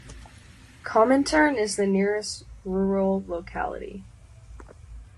Komintern is the nearest rural locality.